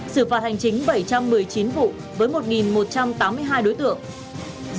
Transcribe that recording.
xử phạt hành chính bảy trăm một mươi chín vụ với một một trăm tám mươi hai đối tượng